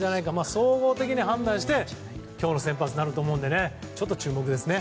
総合的に判断して今日の先発になると思うので注目ですね。